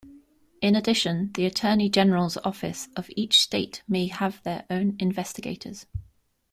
In addition, the Attorney General's office of each state may have their own investigators.